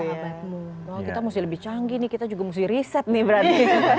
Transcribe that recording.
wah kita mesti lebih canggih nih kita juga mesti riset nih berarti